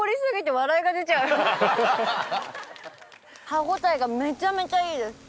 歯応えがめちゃめちゃいいです。